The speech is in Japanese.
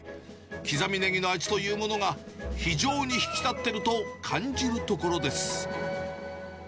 刻みネギの味というものが、非常に引き立ってると感じるところです。